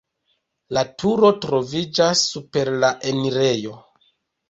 La turo troviĝas super la enirejo.